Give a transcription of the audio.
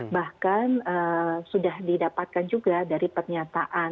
bahkan sudah didapatkan juga dari pernyataan